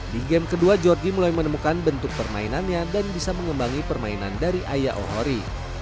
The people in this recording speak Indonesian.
di game kedua georgie mulai menemukan bentuk permainannya dan bisa mengembangi permainan dari ayah ohori